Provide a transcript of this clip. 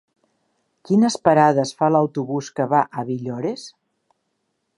Quines parades fa l'autobús que va a Villores?